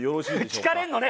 聞かれるのね